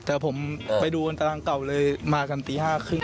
แต่ผมไปดูบนตารางเก่าเลยมากันตี๕๓๐